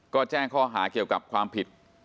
ก็แจ้งข้อหาเกี่ยวกับความผิด